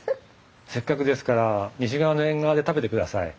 せっかくですから西側の縁側で食べてください。